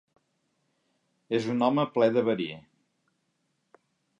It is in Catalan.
És un home ple de verí.